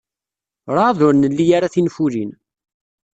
Werɛad ur nli ara tinfulin.